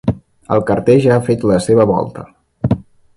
El carter ja ha fet la seva volta.